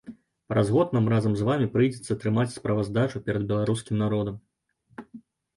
Праз год нам разам з вамі прыйдзецца трымаць справаздачу перад беларускім народам.